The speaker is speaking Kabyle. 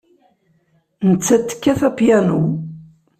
Nettat tekkat apyanu.